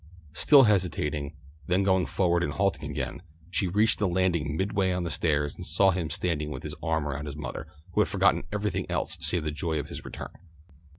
Still hesitating, then going forward and halting again, she reached the landing midway on the stairs and saw him standing with his arm around his mother, who had forgotten everything else save the joy of his return.